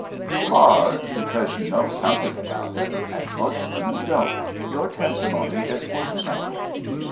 "You are, because you know something about it, and most women don't: your testimony is worth something.